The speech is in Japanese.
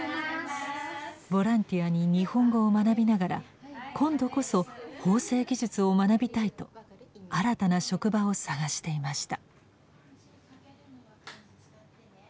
ボランティアに日本語を学びながら今度こそ縫製技術を学びたいと新たな職場を探していました。